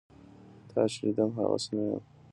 تا چې لیدم هغسې نه یم.